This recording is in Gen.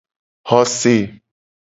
Xo se.